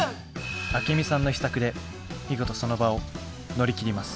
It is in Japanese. アケミさんの秘策で見事その場を乗り切ります。